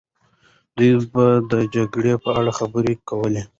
دوی به د جګړې په اړه خبرې کوله.